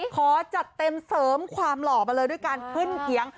ขอจัดเต็มเสริมความหล่อมาเลยด้วยการขึ้นเคียง